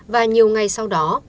và nhiều ngày sau đó